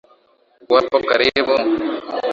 Uwapo karibu